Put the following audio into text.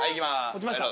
持ちました。